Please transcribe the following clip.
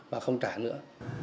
và không trả nữa